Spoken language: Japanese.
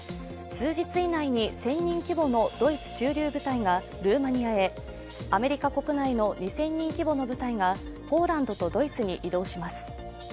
数日以内に１０００人規模のドイツ駐留部隊がルーマニアへ、アメリカ国内の２０００人規模の部隊がポーランドとドイツに移動します。